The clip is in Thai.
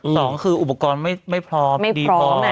สองคืออุปกรณ์ไม่พร้อมดีพอ